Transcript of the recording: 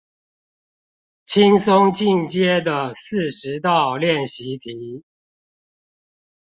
輕鬆進階的四十道練習題